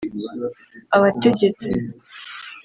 abategetsi